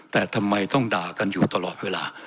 แต่ทำไมต้องด่ากันอยู่ตลอดเวลา